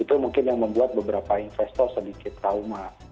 itu mungkin yang membuat beberapa investor sedikit trauma